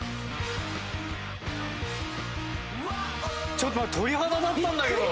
ちょっと鳥肌立ったんだけど。